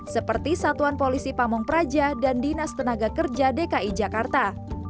seperti satuan polisi pamung praja dan dinas tenaga kerja dki jakarta